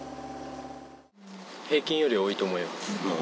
平均より多いと思います。